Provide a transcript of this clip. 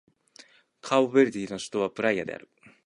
カーボベルデの首都はプライアである